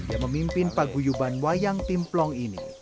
yang memimpin paguyuban wayang timplong ini